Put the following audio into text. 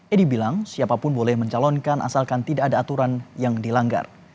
edi bilang siapapun boleh mencalonkan asalkan tidak ada aturan yang dilanggar